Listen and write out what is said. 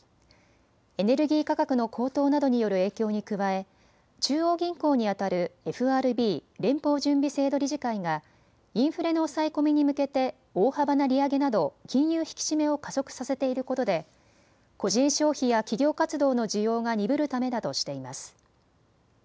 エネルギー価格の高騰などによる影響に加え、中央銀行にあたるＦＲＢ・連邦準備制度理事会がインフレの抑え込みに向けて大幅な利上げなど金融引き締めを加速させていることで個人消費や企業活動の需要が鈍るためだとしています。